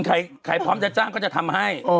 ใครพร้อมจะจ้างก็จะทำให้